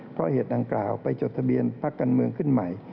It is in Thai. เพราะเหตุดังกล่าวไปจดทะเบียนพักการเมืองขึ้นใหม่